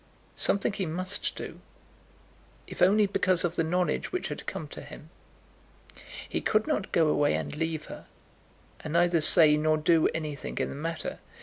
Something he must do, if only because of the knowledge which had come to him. He could not go away and leave her, and neither say nor do anything in the matter.